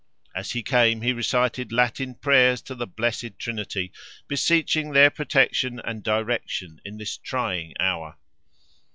As he came he recited Latin Prayers to the Blessed Trinity, beseeching their protection and direction in this trying hour.